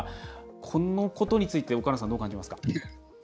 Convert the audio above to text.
このことについて、岡野さんはどう感じますか？